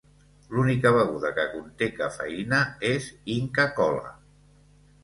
L'única beguda que conté cafeïna és Inca Kola.